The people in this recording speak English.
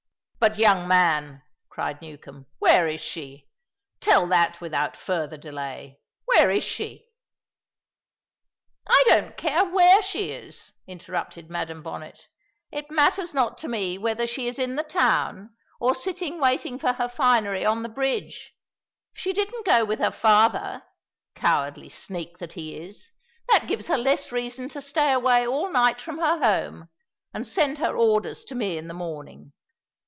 "But, young man," cried Newcombe, "where is she? Tell that without further delay. Where is she?" "I don't care where she is!" interrupted Madam Bonnet. "It matters not to me whether she is in the town, or sitting waiting for her finery on the bridge. If she didn't go with her father (cowardly sneak that he is), that gives her less reason to stay away all night from her home, and send her orders to me in the morning.